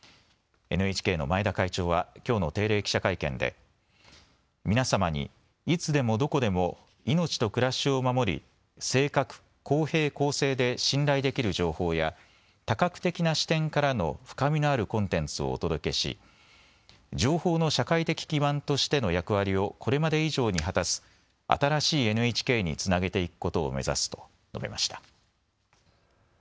ＮＨＫの前田会長はきょうの定例記者会見で皆様にいつでもどこでも命と暮らしを守り正確、公平・公正で信頼できる情報や多角的な視点からの深みのあるコンテンツをお届けし情報の社会的基盤としての役割をこれまで以上に果たす新しいＮＨＫにつなげていくことを目指すと述べました。